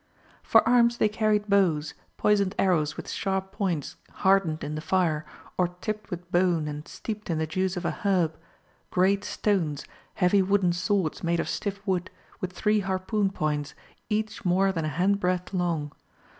For arms they carried bows, poisoned arrows with sharp points hardened in the fire, or tipped with bone and steeped in the juice of a herb, great stones, heavy wooden swords made of stiff wood, with three harpoon points, each more than a handbreadth long.